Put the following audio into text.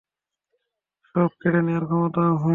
সব কেড়ে নেয়ার ক্ষমতা আছে।